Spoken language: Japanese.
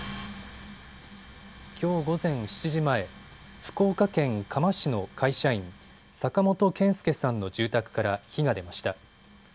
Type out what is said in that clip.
きょう午前７時前、福岡県嘉麻市の会社員、坂本憲介さんの住宅から火が出ました。